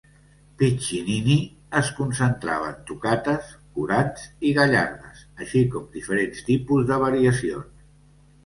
Piccinini es concentrava en tocates, courants i gallardes, així com diferents tipus de variacions.